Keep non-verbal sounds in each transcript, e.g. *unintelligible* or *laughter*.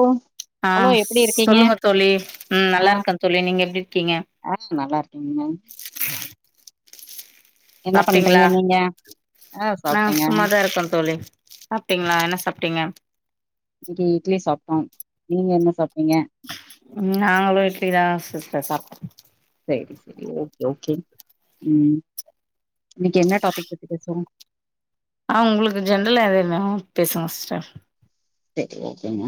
ஓ hello ஆஹ் எப்டி இருக்கீங்க சொல்லுங்க தோழி ம் ஆ நல்லா இருக்கே தோழி நீங்க எப்பிடி இருக்கீங்க ஆ நல்லா இருக்கேங்க என்ன சாப்ட்டீங்களா பண்றீங்க நீங்க ஆஹ் நா சாப்ட்டெங்க சும்மாதா இருக்கே தோழி சாப்ட்டீங்களா என்ன சாப்ட்டீங்க இட்லி இட்லி சாப்ட்டோம் நீங்க என்ன சாப்ட் டீங்க உம் நாங்களும் இட்லிதா சிஸ்டர் சாப்ட்டோ செரி செரி ஓகே உம் இன்னைக்கு என்ன டாபிக் பத்தி பேசுவோ ஆஹ் உங்களுக்கு ஜென்ரல எதன பேசுங்க சிஸ்டர் செரி ஓகேங்க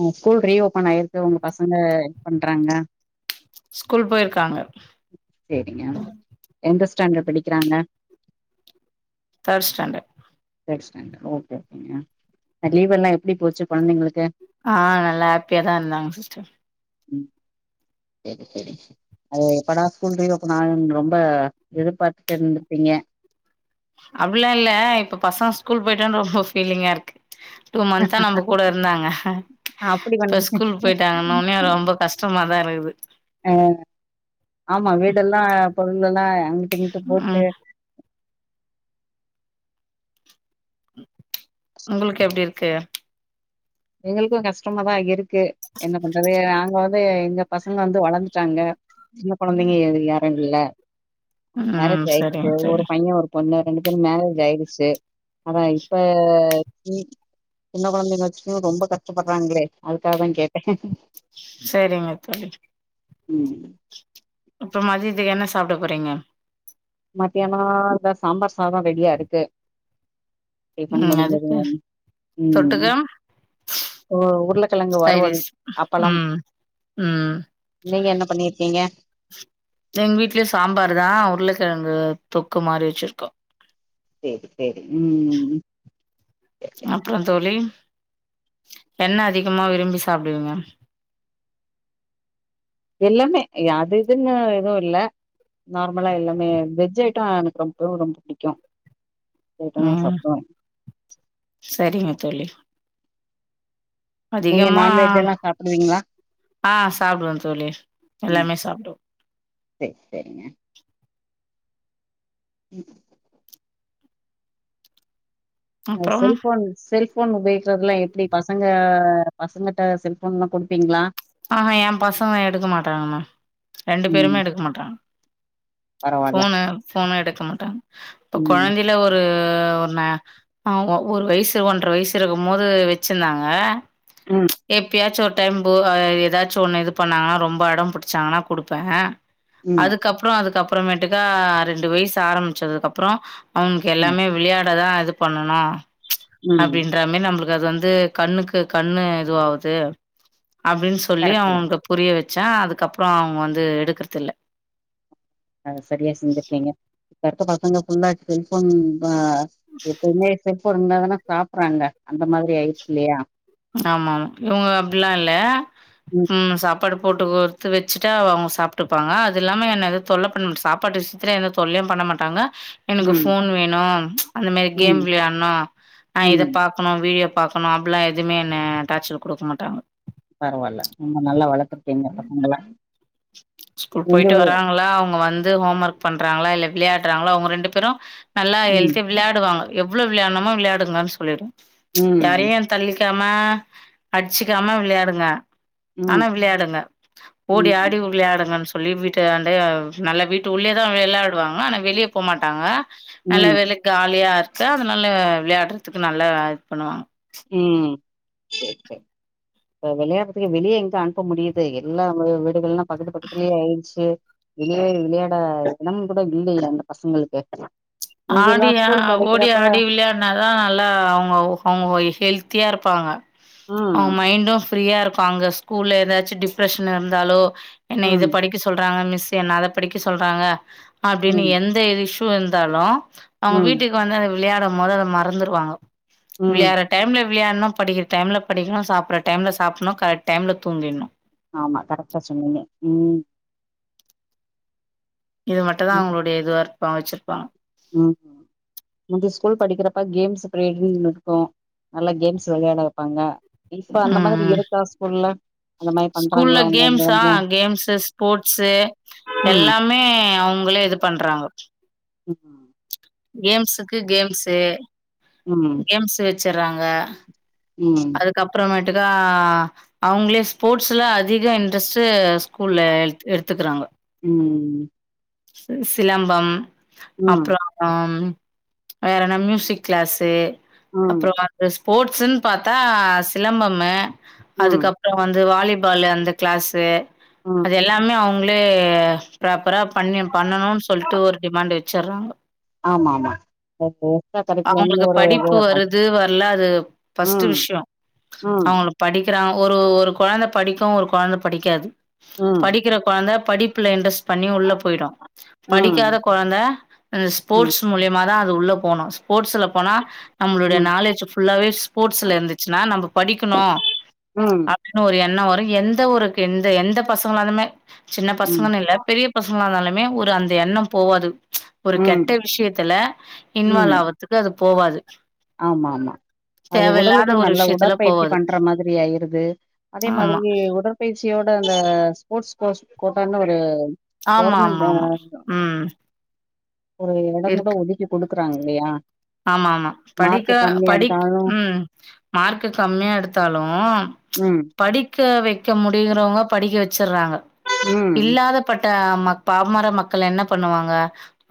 உ ஸ்கூல் ரிஓப்பன் ப்பனாயிருக்கு உங்க பசங்க பண்றாங்க ஸ்கூல் போயிருக்காங்க ஸ்டாண்டர் படிக்கிறாங்க தேர்ஸ்டாண்ட்டர் தேஸ்டாண்டர்ட் ஓகே ஓகேங்க அ லீவெல்லா எப்டி போச்சு கொழந்தைங்களுக்கு ஆஹ் நல்லா ஹாப்பியா தா இருந்தாங்க சிஸ்டர் ம் அது எப்படா ஸ்கூல் ரிஓப்பனாகு ரொம்ப எதிர்பாத்துட்டே இருந்திருப்பீங்க அப்புடிலா இல்ல இப்ப பசங்க ஸ்கூல் போயிட்டான்னு ரொம்ப ஃபீலிங்காருக்கு டூ மந்தா நம்ம கூட இருந்தாங்க அப்டி இப்ப வந்து ஸ்கூலுக்கு போயிட்டாங்கன்னவுன்னே ரொம்ப கஷ்டமாதா இருக்குது ஆ பொருளுல்லா அங்கட்டு இங்கட்டு போட்டு ம் உங்களுக்கு எப்புடி இருக்கு எங்குளுக்கு கஷ்டமாதா இருக்கு என்ன பண்றது அங்க வந்து எங்க பசங்க வந்து வளர்ந்துட்டாங்க சின்ன கொழந்தைங்க யாரு இல்ல அ ம் மேரேஜ் ஆயிடுச்சு சரிங்க தோழி ஒரு பையே ஒரு பொண்ணு எனக்கு மேரேஜ் ஆயிடுச்சு ஆன இப்ப சின்ன கொழந்தைங்க ஐயோ ரொம்ப கஷ்டப்படுறாங்களே அதுக்காக தா கேட்டே செரிங்க தோழி உம் இப்ப மதியத்துக்கு என்ன சாப்ட போறீங்க மத்யான இதா சாம்பார் சாத ரெடியா இருக்கு டிஃபன் ம் அதுக்கு முடிஞ்சதும் உம் தொட்டுக்க ஓ உருளக்கெழங்கு வருவல் சைடிஸ் அப்பளம் ம் ம் நீங்க என்ன பண்ணிருக்கீங்க எங்க வீட்லயு சாம்பாருதா உருளக்கெழங்கு தொக்கு மாரி வச்சிருக்கே சேரி சேரி உம் சேரி அப்றோ தோழி என்ன அதிகமா விரும்பி சாப்டுவிங்க எல்லாமே அஹ் அது இதுன்னு எதுவு இல்ல நார்மலா எல்லாமே வெஜ் ஐட்ட எனக்கு ரொம்பவு ரொம்ப புடிக்கு ஐட்டம்லா உம் சாப்டுவே செரிங்க தோழி நீங்க அதிகமா நான்வெஜ் எல்லா சாப்டுவீங்களா ஆஹ் சாப்டுவ தோழி ம் எல்லாமே சாப்டுவ சேரி சேரிங்க உம் அஹ் அப்றோ செல்ஃபோன் செல்ஃப் ஃபோன் உபயோக்கிறதுலா எப்டி பசங்க பசங்கட்ட செல்ஃபோன்லா கொடுப்பீங்ளா ஆஹ்ஹா எ பசங்க எடுக்க மாட்டாங்கமா ரெண்டு ம் பேருமே எடுக்க மாட்டாங்க பரவால்ல ஃபோனு ஃபோனு எடுக் கமாட்டாங் இப்ப ம் கொழந்தைலா ஒரு ஒ ஒரு நா ஆஹ் ஓ ஒரு வயசு ஒன்ற வயசு இருக்கும் போது வெச்சிந்தாங்க ம் எப்பயாச்சு ஒரு டைம் பு அஹ் எதாச்சு ஒன்னு இது பண்ணாங்னா ரொம்ப அடம் பிடிச்சாங்கனா குடுப்பே ம் அதுக்கப்ற அதுக்கப் அப்றமேட்டுக்கா ரெண்டு வயசு ஆரமிச்சதுக்கப்றோ அவனுக்கு ம் எல்லாமே விளையாடதா அது பண்ணனா ம் அப்டின்ற மார் நம்மளுக்கு ல்ல அது வந்து கண்ணுக்கு கண்ணு இதுவாவ்து அப்டின் சொல்லி கரெக்ட்டு தா அவனுக்கு புரிய வச் ச்சு அதுக்கப்ற அவ்ங்க வந்து எடுக்றதில்ல அத சரியா செஞ்சிருக்கீங்க இப்பருக்க பசங்க ஃபுல்லா செல்ஃபோன் ஆஹ் எப்போமே செல்ஃபோன் இருந்தா வேணா சாப்றாங்ள அந்த மாரி ஆயிருச்சு இல்லயா ஆமா ஆமா இவ்ங்க அப்டிலா இல்ல ம் ஃபுல்லா சாப் ப்பாடு போட்டு வருத்து வச்சுட்டா அவ் அவ்ங்க சாப்ட்டுப்பாங்க அதுல்லாம என்ன எது தொல்ல பண்ண மாட்ட சாப்பாட்டு விஷ்யத்ல எந்த தொல்லையு பண்ண மாட்டாங்க எனக்கு ம் ஃபோன் வேணு அந்த மாரி ம் கேம் விளையாட்னு நா இத ம் பாக்கணு வீடியோ பாக்குனு அப்டில்லா எது எதுமே என்ன டார்ச்சர் குடுக்க மாட்டாங்க பரவால்ல ரொம்ப நல்லா வளத்திருக்கிங்க பசங்கள ஸ்கூல் எங்க போயிட்டு வராங்களா அவங்க வந்து ஹோம் ஒர்க் பண்றாங்களா இல்ல விளையாட்றாங்களா அவங்க ரெண்டு பேரு நல்லா ம் ஹெல்த்தியா விளாடுவாங்க எவ்ளோ விளயாட்ணுமோ விளையாடுங்கனு சொல்லிடுவ ம் யாரையு தள்ளி விடாம அடிச்சுக்காம விளையாடுங்க ம் ஆனா விளையாடுங்க ஓடி ம் ஆடி விளையாடு *unintelligible* சொல்லி வீட்டாண்ட நல்ல வீட்டு உள்ளேயே தான் விளாடுவாங்க ஆனால் வெளியே போமாட்டாங்க ம் நல்லவேல காலியா இருக்கு தே நல்லா விளையாடுறதுக்கு நல்லா ஏட் பண்ணுவாங்க உம் சரி சரி இப்ப விளையாடறதுக்கு வெளிய எங்க அனுப்ப முடியுது எல்லா வீடுகள் எல்லாம் பக்கத்து பக்கத்துலயே ஆயிடுச்சு வெளியே விளையாட இடம் கூட இல்லையே அந்த பசங்களுக்கு முந்தியெல்லா ஆடி ஸ்கூல் ஓடி படிக்கிறப்ப ஆடி விளையாடினாதான் நல்லா அவங்க அவங்க வயசு ஹெல்த்தியா இருப்பாங்க ம் அவுங் மைண்டும் ஃப்ரீயா இருக்கு அங்க ஸ்கூல்ல ஏதாச்சும் டிப்ரெஷன் இருந்தாலோ என்னை இதை ம் படிக்க சொல்றாங்க மிஸ் என்னெ அதை படிக்க சொல்றாங்க அப்படின்னு ம் எந்த வி இருந்தாலும் அவங்க ம் வீட்டுக்கு வந்து அத விளையாடும் போது அதை மறந்துருவாங்க ம் விளையாடுற டைம்ல விளையாடணு படிக்கிற டைம்ல படிக்கணு சாப்பிடற டைம்ல சாப்பிடணு கரெக்ட் டைம்ல தூங்கிடணு ஆமா கரெக்டா சொன்னிங்க ம் இது மட்டுந்தா ம் அவங்களுடைய இதுவா ப்பா வெச்சிருப்பாங்க ம் ஹு முந்தி ஸ்கூல் படிக்கிறப்ப கேம்ஸ் பிரேக்கிங்னு இருக்கு நல்லா கேம்ஸ் வெளயாட வெப்பாங்க ம் ம் அந்த மாரி ஸ்கூல்ல பண்றாங்களா கேம்ஸா உங்கங்க கேம்ஸ் ஸ்போர்ட்ஸு ம் எல்லாமே அவங் களே இது பண்றாங்க ம் கேம்ஸுக்கு கேம்ஸு ம் கேம்ஸ் வெச்சு வச்சறாங்க ம் அதுக்கப்புறமேட் ஆஹ் அவங்களே ஸ்போர்ட்ஸ்ல அதிக இன்ட்ரெஸ்ட் உம் சிலம்பம் ம் அப்புறமா வேற என்ன மியூசிக் கிளாஸு ம் அப்புறமா ஸ்போர்ட்ஸ்ன் பாத்தா சிலம்பமு ம் அதுக்கப்புறம் வந்து வாலி பாலு அந்த கிளாஸ்சு ம் அது எல்லாமே அவுங் பராப்பரா பண்ணி பண்ணணும்னு சொல்லிட்டு ஒரு டிமாண்ட் வச்சிறாங்க ஆமா ஆமா எக்ஸ்ட்ரா கரிகுளம் அவங்களுக்கு ஒரு இது வைப்பாங்க ஃபஸ்ட் ம் விஷயம் ம் அவங்கள படி படிக்கிறாங்க ஒரு ஒரு கொழந்த படிக்கும் ஒரு கொழந்த படிக்காது ம் படிக்கிற கொழந்த படிப்புல இன்ட்ரெஸ் பண்ணி உள்ள போயிடும் ம் படிக்காத கொழந்த ம் ஸ்போர்ட்ஸ் மூலியமா நா அது உள்ள போனும் ஸ்போர்ட்ஸ்ல போனா நம்மளுடைய ம் நாலெட்ஜ் ஃபுல்லாவே ல இருந்துச்சுன்னா நம்ம படிக்கணும் ம் அப்பிடின்னு ஒரு என்ன வரும் எந்த ஊருக்கு எந்த எந்த பசங்களாலுமே சின்ன ம் பசங்கன்னு இல்ல பெரிய பசங்க நாளு மே ஒரு அந்த எண்ணம் போவாது ஒரு ம் கெட்ட விஷயத்துல ம் இன்வால்வ் ஆகுறதுக்கு அது போவாது ஆமா ஆமா அது தேவையில்லாத உடலுக்கு ஒரு நல்லா விஷயத்துல உடற்பயிற்சி போவாது பண்ற மாதிரி ஆயிருது அதே ஆமா மாதிரி உடற்பயிற்சி *unintelligible* அந்த ஸ்போர்ட்ஸ் போஸ் கோட்டனு ஒரு ஆமா கவர்மெண்ட் ஆமா ஆமா உம் ஒரு இடந்த ஒதுக்கி குடு குடுக்குறாங்க இல்லையா ஆமா ஆமா மார்க் படிக்க கம்மியா படிக் எடுத்தாலு உம் மார்க்கு கம்மியா எடுத்தாலு ச் ம் படிக்க வை படிக்க முடிங்கிறவங்க படிக்க வச்சுடுறாங்க ம் இல்லாத பட் ட ஆ பமார மக்கள் என்ன பண்ணுவாங்க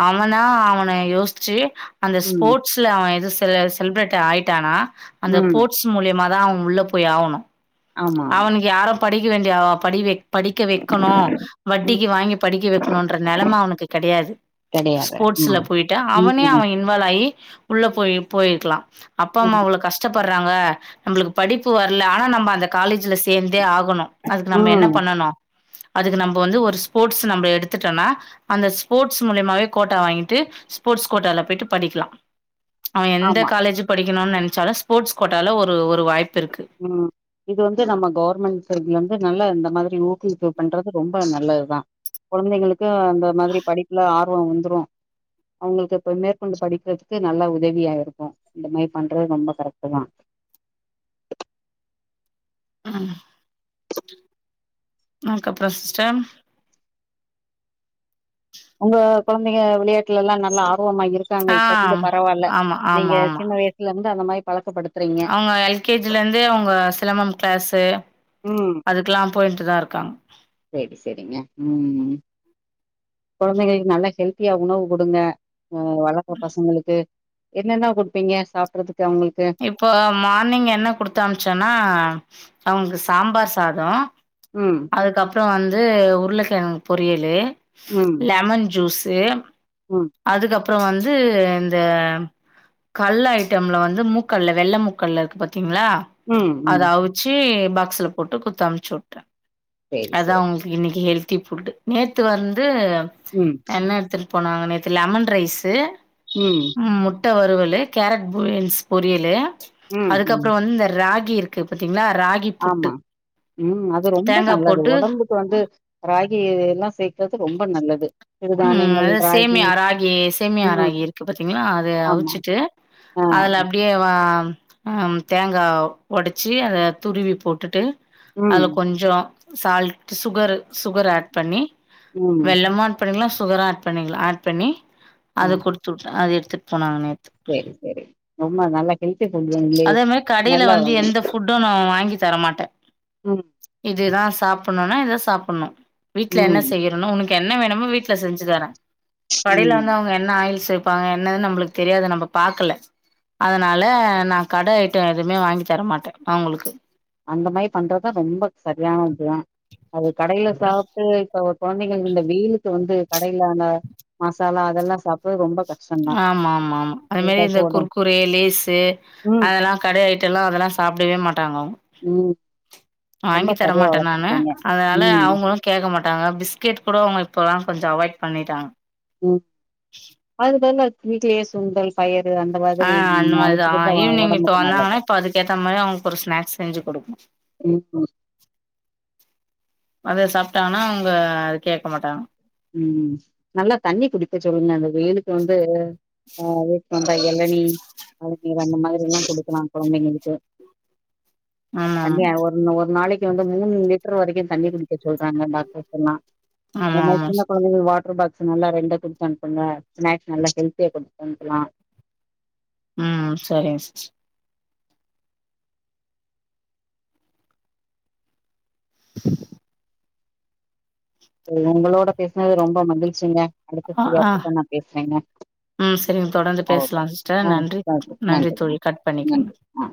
அவனா அவன யோசிச்சு அந்த ம் ஸ்போட்ஸ்ல அவன் எதோ ல செல்ப்ரேட் ஆயிட்டானா அந்த ம் போட்ஸ் மூலியமா தான் அவன் உள்ள போய் ஆவனு ஆமா ஆமா அவன்க்கு யாரப் படிக்க வேண்டியா வா படி வை படிக்க வைக்கணு வட்டிக்கு ம் வாங்கி படிக்க வக்கணுன்ற நெலம அவனுக்கு கெடயாது கெடையாது ஸ்போர்ட்ஸ்ல ஆமா போயிட்டா அவனே ம் அவன் யின்வால்லாயி உள்ள போயு போயிர்க்கலாம் அப்பா ம்மா ம் அவ்ளோ கஷ்டப்பட்ற ங்க நம்பளுக்கு படிப்பு வரல ஆனா நம்ம அந்த காலேஜ்ல சேந்து தே ஆகணு அதுக்கு நம்ம என்ன ம் பண்ணணு அதுக்கு நம்ப வந்து ஒரு ஸ்போட்ஸ் நம்ம எடுதுடோனா அந்த ஸ்போட்ஸ் முலியமாவே கோட்டா வாங்கிட்டு ஸ்போட்ஸ் கோட்டால போயிட்டு படிக்கலா அவன் எந்த ஆமா காலேஜு படிக்க னு நெனச்சால ஸ்போர்ட்ஸ் கோட்டால ஒரு ஒரு வாய்ப்பு இருக்கு உம் இது வந்து நம்ம கவர்மென்ட் சைட்ல நல்ல இந்த மாதிரி ஊக்குவிப்பு பண்றது ரொம்ப நல்லதுதா குழந்தைங்களுக் க அந்த மாரி படிப்புல ஆர் து வந்துரும் அவ்ங்களுக்கு ப்ப மேற்கொண்டு படிக்கிறதுக்கு நல்ல உதவியா யிருக்கும் யிந்த மாரி பண்றது ரொம்ப கரெக்ட் தா உம் நக்க ப்றம் சிஸ்டர் உங்க குழந்தைங்க விளயாட்டுலல்லா நல்லா ஆ போவாம யிருக்காங்க ஆ யிப்ப யிருந்து பரவாயில்ல. நீங்க சின்ன வயசுலருந்து அந்த மாய் அவ்ங்க எல் கே ஜி லருந்தே அவுங்க சிலம்பம் கிளாஷு உம் சேரி சேரிங்க உம் ம் குழந்தைகளுக்கு நல்லா ஹெல்த்தியா உணவு கொடுங்க ஆ வளர்ற பசங்களுக்கு என்னென்ன குடுப்பீங்க சாப்டறதுக்கு யிப்போ மானிங் யென்ன குடுத்தம்ச்சேனா அவுனுக்கு சாம்பார் சாதோ ம் அதுக்கப்றோ வந்து அது உருளக்கிழங்கு பொரியலு ம் லெமன் ஜூஸ் து ம் அதுக்கப்றோ வந் தூ இந்த கல் ஐட்டம்ல வந்து மு கல்ல வெள்ள மூக்கல்லெ இருக்கு பாத் ங்களா ம் அத ம் அவுச்சூ பாக்ஸ்ல போட்டு குத்து அம்ச்சு விட்ட சேரி அதா சேரி உங்களுக்கு இன்னிக்கு ஹெல் தி ஃபுட்டு நேத்து வந்தூ ம் என்னேர்த்துர் போனாங்க நேத்து லெமன் ரைஸ்ஸு ம் ட வருறுவலு கேரட் பீன்ஸ் பொரியில்லயா ம் ம் அதுக்கப்றோ வந்த ரா தி இருக்கு பாத்தீங்ளா ஆமா உம் அது ரொம்போ தேங்கா நல்லது போட்டு உடம்புக்கு வந்து ராகி எல்லா சேர்க்கறது ரொம்போ நல்லது உம் சிறுதானியங்கள் அத ராகி சேமியா ராகீ சேமியா ம் ராகி இருக்கு பத்தீங்களா அத ஆமா அவுச்சுட்டு ஆ அதுல அப்டியே வா உம் தேங்கா ஒடச்சு அத துருவி போட்டுட்டு ம் அதுல கொஞ்சோ சால்ட் சுகரு சுகர் ஏட் பண்ணீ ம் வெல்லமான் பணிக்ளா சுகரு ஏட் பண்ணிக்கிளா ஏட் பண்ணீ ஆ அது குடுத்து விட்டு அத எ த்துப் போனாங்க நேத் சேரி சேரி ரொம்ப நல்லா ஹெல்த்தி புட்லந்து அதே நல்ல *unintelligible* தர மாட்ட உம் இதுதா சாப்புன்னுனா இததா சாப்புன்னு வீட்ல என்ன ம் செய்யறனோ உனக்கு என்ன வேணுமோ வீட்ல செஞ்சு தர கடைல ம் வந்து அவுங்க என்ன ஆயில் ருப்பாங்க என்னதுன் நம்முளுக் தெரியாது நம்ப பாக்குல அதனால நா கட ஐட்ட எதுமே வாங்கி தரமாட்டே அவுங்குளுக்கு அந்த மாரி பண்றதா ரொம்ப சரியான இதுதா அது கடையில சாப்ட்டு இப்பொ கொழந்தைங்க இந்த வெயிலுக்கு வந்து கடையிலான்ட மசாலா அதெலா சாப்பிடது ரொம்ப கஷ்டந்தா ஆமாமாமா அதமாரி ஏதாச்சு இந்த ஒடம் குர்குரே, லேசு ம் அதெல்லா கடை ஐட்டலா அதலா சாப்டவே மாட்டாங்க அவுங் ம் ரொம்ப வாங்கி சரியா தரமாட்டேன் நானு வளர்த்துருக்கீங்க அதனால ம் அவுங்களும் கேட்க மாட்டாங்க பிஸ்கெட் கூட அவங்க இப்போலா கொஞ்ச அவாய்ட் பண்ணிட்டாங் ம் அதுகு வந்து வீட்லயே சுண்டல் பயர் அ அந்த மாரிதா ஈவினிங் இப்ப ஒடம்புக்கு வந்தாங்னா நல்லது இப்ப அதுக்க ஏத்த மாரி அவங்ளுக்கு ஒரு ஸ்நாக்ஸ் செஞ்சு குடுக்குன்னு ம் அத சாப்டாங்னா அவுங்க கேக்க மாட்டாங்க ம் நல்லா தண்ணி குடிக்க சொல்லுங்க அந்த எளனி எளநீர் அந்த மாதிரிலா குடுக்கலா கொழந்தைங்களுக்கு ஆமா ஆமா தண்ணியா ஒர் ஒரு நாளைக் வந்து மூணு லிட்ரு வரைக்கு தண்ணி குடிக்க சொல்றாங்க டாக்டர்ஸ் எல்லா இந்த மாரி ஆமாமா சின்ன கொழந்தைங்கள் வாட்ரு பாட் நல்லா ரெண்ட குடுத்து அனுப்புங்க ஸ்நாக்ஸ் நல்லா ஹெல்த்தியா குடுத்து அனுப்பலா ம் சரிங் சிஸ் ஒங்களோட பேசுனது ரொம்ப மகிழ்ச்சிங்க அடுத்த ஆ ஃப்ரீயா ஆ இருக்கப்ப நா பேசுறேங்க ம் செரிங்க தொடர்ந்து ஓகே பேசலா சிஸ்டர் ஆ நன்றி சரி நன்றி நன்றிங்க தோழி கட் பண்ணிக்கங்க நன்றி ஆ